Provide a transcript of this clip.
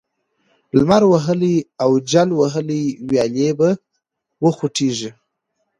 لمر وهلې او جل وهلې ويالې به وخوټېږي،